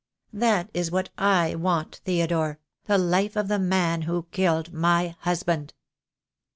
That is what / want, Theodore — the life of the man who killed my husband.''